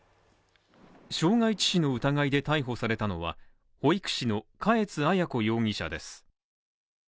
傷害致死の疑いで逮捕されたのは、保育士の嘉悦彩子容疑者です。